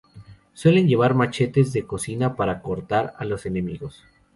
Suelen llevar machetes de cocina para cortar a los enemigos.